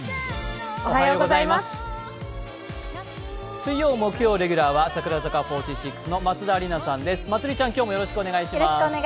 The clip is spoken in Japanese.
水曜木曜レギュラーは櫻坂４６の松田里奈ちゃんです。